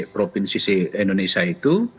provinsi indonesia itu